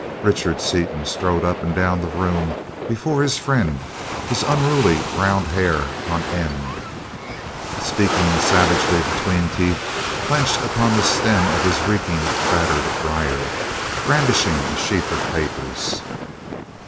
Richard Seaton strode up and down the room before his friend, his unruly brown hair on end, speaking savagely between teeth clenched upon the stem of his reeking, battered briar, brandishing a sheaf of papers.